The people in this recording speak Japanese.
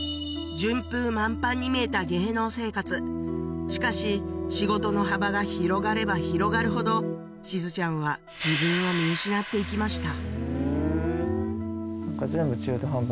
順風満帆に見えた芸能生活しかし仕事の幅が広がれば広がるほどしずちゃんは自分を見失っていきました